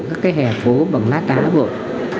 các cái hẻ phố bằng lát đá vội